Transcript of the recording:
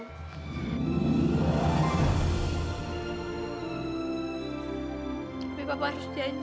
tapi papa harus jelas